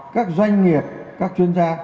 các doanh nghiệp các chuyên gia